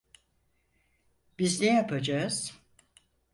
Biz ne yapacağız?